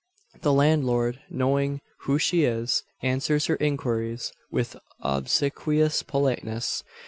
The landlord, knowing who she is, answers her inquiries with obsequious politeness.